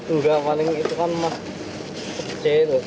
enggak paling itu kan emas kecil